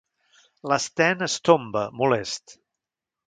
L'Sten es tomba, molest.